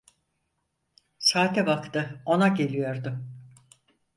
Saate baktı, ona geliyordu.